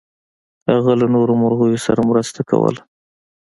هغه له نورو مرغیو سره مرسته کوله.